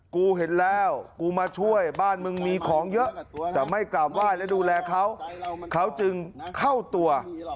เขาจึงเข้าตัว